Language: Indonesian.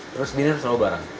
terus diner selalu bareng